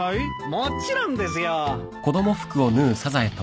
もちろんですよ！